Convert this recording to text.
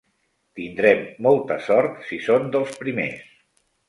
Tindrem molta sort si són dels primers.